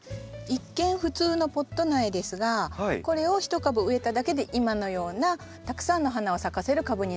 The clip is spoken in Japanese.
一見普通のポット苗ですがこれを１株植えただけで今のようなたくさんの花を咲かせる株になるんです。